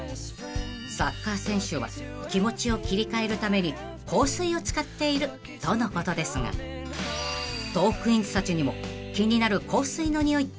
［サッカー選手は気持ちを切り替えるために香水を使っているとのことですがトークィーンズたちにも］